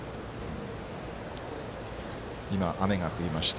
今、雨が降りました。